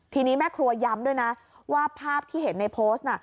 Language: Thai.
ทีนี้แม่ครัวย้ำด้วยนะว่าภาพที่เห็นในโพสต์น่ะ